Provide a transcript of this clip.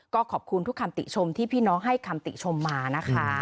ก็ขอบคุณทุกคำติชมที่พี่น้องให้คำติชมมานะคะ